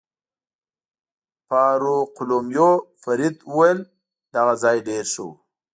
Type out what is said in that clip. فاروقلومیو فرید وویل: دغه ځای ډېر ښه و.